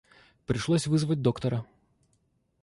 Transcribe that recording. Пришлось вызвать доктора.